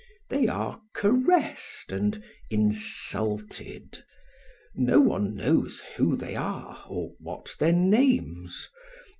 They are caressed and insulted; no one knows who they are or what their names.